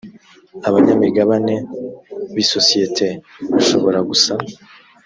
abanyamigabane b isosiyete bashobora gusa